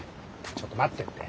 ちょっと待ってって。